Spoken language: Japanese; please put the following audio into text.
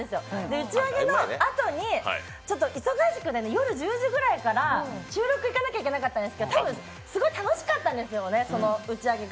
打ち上げのあとに忙しくて、夜１０時ぐらいから収録行かなきゃいけなかったんですけど、多分すごい楽しかったんですよね、その打ち上げが。